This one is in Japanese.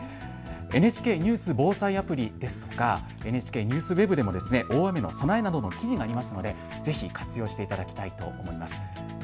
ＮＨＫニュース・防災アプリですとかＮＨＫＮＥＷＳＷＥＢでも大雨への備えなどの記事がありますのでぜひ活用していただきたいと思います。